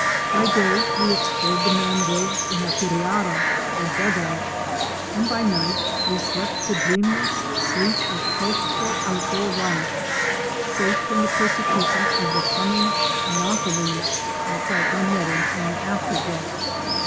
By day we explored the mangroves in our curzara or dug out, and by night we slept the dreamless sleep of healthful outdoor life, safe from the persecution of the humming Anopheles out side our netting on the after deck.